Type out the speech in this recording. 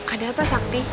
ada apa sakti